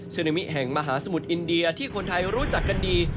นามิแห่งมหาสมุทรอินเดียที่คนไทยรู้จักกันดี